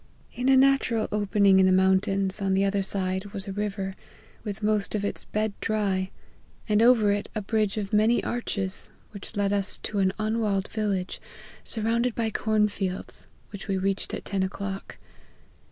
In a natural opening in the mountains, on the other side, was a P 170 LIFE OP HENRY MARTYN. river, with most of its bed dry ; and over it a bridge of many arches, which led us to an unwalled village, surrounded by corn fields, which we reached at ten o'clock.